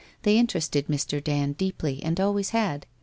They interested Mr. Dand deeply and always had.